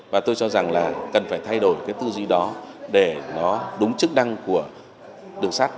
và tôi cho rằng là cần phải thay đổi cái tư duy đó để nó đúng chức năng của đường sắt